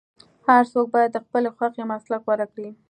هر څوک باید د خپلې خوښې مسلک غوره کړي.